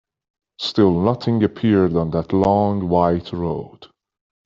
Still nothing appeared on that long white road.